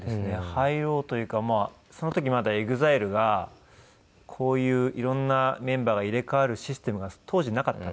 入ろうというかその時まだＥＸＩＬＥがこういう色んなメンバーが入れ替わるシステムが当時なかったので。